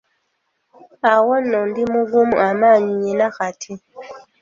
Awo nno ndimugumu amaanyi nina kati.